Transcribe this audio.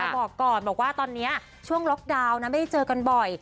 บอกก่อนบอกว่าตอนนี้ช่วงล็อกดาวน์นะไม่ได้เจอกันบ่อย